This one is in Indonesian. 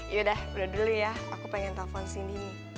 yaudah berdua dulu ya aku pengen telfon sidi